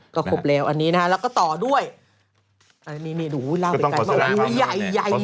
ก็ครบแล้วอันนี้นะฮะแล้วก็ต่อด้วยนี่หนูเล่าไปไกลมากโอ้โหใหญ่มาก